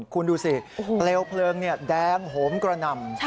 คุณดูสิเปลวเพลิงแดงโหมกระหน่ำ